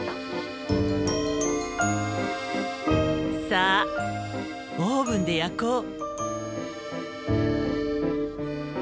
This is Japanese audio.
さあオーブンで焼こう。